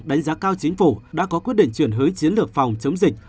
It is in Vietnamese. đánh giá cao chính phủ đã có quyết định chuyển hướng chiến lược phòng chống dịch